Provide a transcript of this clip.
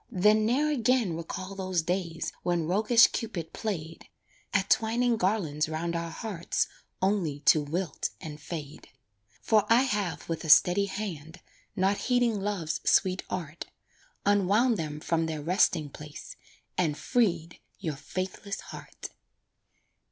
Then ne'er again recall those days When roguish Cupid played At twining garlands 'round our hearts Only to wilt and fade; For I have with a steady hand, Not heeding Love's sweet art, Unwound them from their resting place And freed your faithless heart.